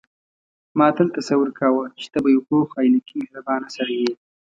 ما تل تصور کاوه چې ته به یو پوخ عینکي مهربانه سړی یې.